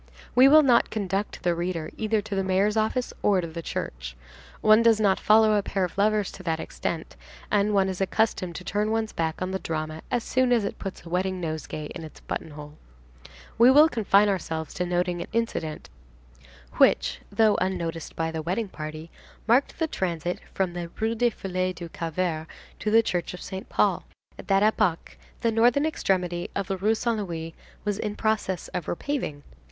We will not conduct the reader either to the mayor's office or to the church. One does not follow a pair of lovers to that extent, and one is accustomed to turn one's back on the drama as soon as it puts a wedding nosegay in its buttonhole. We will confine ourselves to noting an incident which, though unnoticed by the wedding party, marked the transit from the Rue des Filles du Calvaire to the church of Saint Paul. At that epoch, the northern extremity of the Rue Saint Louis was in process of repaving.